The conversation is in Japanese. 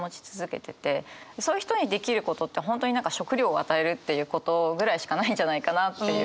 そういう人にできることって本当に食料を与えるっていうことぐらいしかないんじゃないかなっていう。